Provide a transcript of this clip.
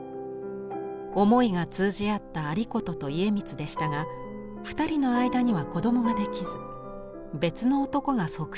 思いが通じ合った有功と家光でしたが二人の間には子どもができず別の男が側室になることに。